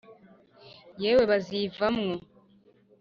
Yewe bazivamwo